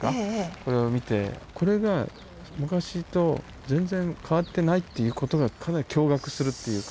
これを見てこれが昔と全然変わってないっていうことがかなり驚がくするっていうか。